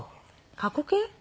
過去形？